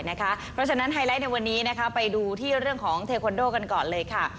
เพราะฉะนั้นไฮไลท์ในวันนี้ไปดูที่เรื่องของเทควันโดกันก่อนเลยค่ะ